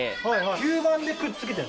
吸盤でくっつけてる？